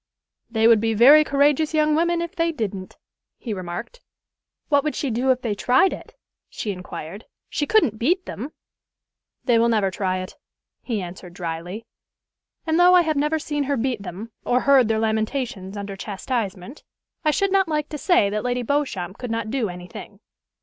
"They would be very courageous young women if they didn't," he remarked. "What would she do if they tried it?" she inquired. "She couldn't beat them." "They will never try it," he answered dryly. "And though I have never seen her beat them, or heard their lamentations under chastisement, I should not like to say that Lady Beauchamp could not do any thing.